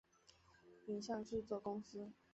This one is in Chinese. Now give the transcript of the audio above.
影像制作公司